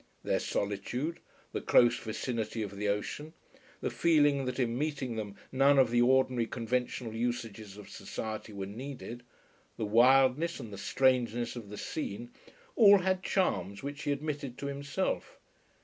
Their solitude, the close vicinity of the ocean, the feeling that in meeting them none of the ordinary conventional usages of society were needed, the wildness and the strangeness of the scene, all had charms which he admitted to himself.